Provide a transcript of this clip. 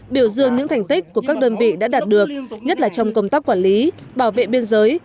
biểu dương những thành tích của các đơn vị đã đạt được nhất là trong công tác quản lý bảo vệ biên giới